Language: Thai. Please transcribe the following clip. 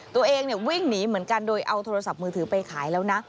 ตัวเองวิ่งหนีเหมือนกันโดยเอาโทรศัพท์มือถือไปขายแล้วนะ